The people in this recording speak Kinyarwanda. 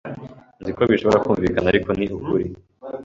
Nzi ko bishobora kumvikana, ariko ni ukuri.